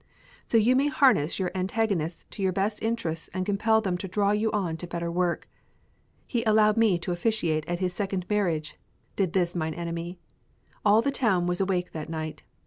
So you may harness your antagonists to your best interests and compel them to draw you on to better work. He allowed me to officiate at his second marriage, did this mine enemy. All the town was awake that night.